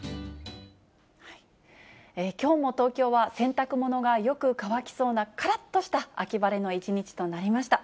きょうも東京は洗濯物がよく乾きそうな、からっとした秋晴れの一日となりました。